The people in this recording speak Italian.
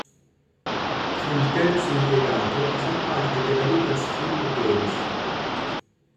Fu il terzo impiegato a far parte della Lucasfilm Games.